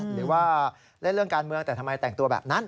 หรือว่าเล่นเรื่องการเมืองแต่ทำไมแต่งตัวแบบนั้น